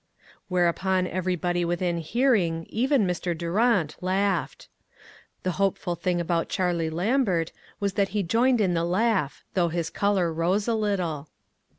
Whereupon everybody within hearing, even Mr. Durant, laughed. The hopeful thing about Charlie Lambert was that he joined in the laugh, though his color rose a little.